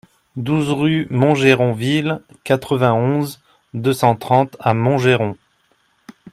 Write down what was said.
douze rue Montgeron-Ville, quatre-vingt-onze, deux cent trente à Montgeron